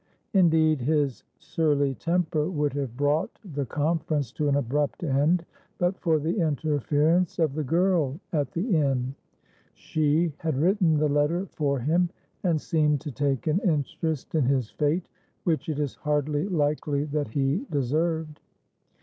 Indeed, his surly temper would have brought the conference to an abrupt end but for the interference of the girl at the inn. She had written the letter for him, and seemed to take an interest in his fate which it is hardly likely that he deserved.